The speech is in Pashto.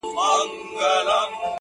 • او پای يې خلاص پاتې کيږي تل,